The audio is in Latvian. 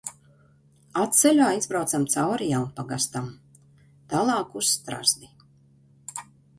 Atceļā izbraucam cauri Jaunpagastam. Tālāk uz Strazdi.